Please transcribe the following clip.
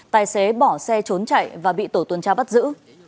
tài xế bỏ xe trốn chạy và bị tổ tuần tra bắt giữ